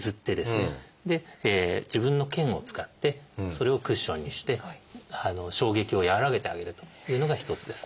自分の腱を使ってそれをクッションにして衝撃を和らげてあげるというのが一つです。